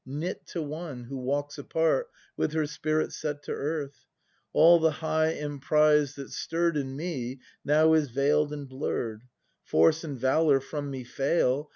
Knit to one, who walks apart With her spirit set to earth. All the high emprise that stirr'd In me, now is veil'd and blurr'd. Force and valour from me fail.